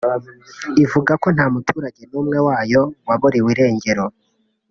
ivuga ko nta muturage n’umwe wayo waburiwe irengero